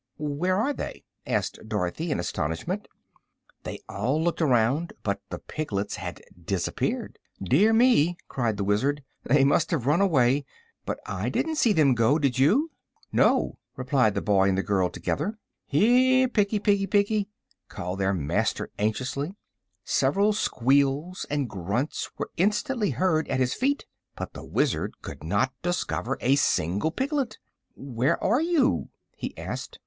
"Where are they?" asked Dorothy, in astonishment. They all looked around, but the piglets had disappeared. "Dear me!" cried the Wizard; "they must have run away. But I didn't see them go; did you?" "No!" replied the boy and the girl, together. "Here, piggy, piggy, piggy!" called their master, anxiously. Several squeals and grunts were instantly heard at his feet, but the Wizard could not discover a single piglet. "Where are you?" he asked.